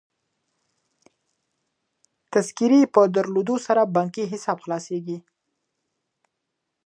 د تذکرې په درلودلو سره بانکي حساب خلاصیږي.